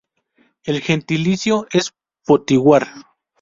El gentilicio es "potiguar".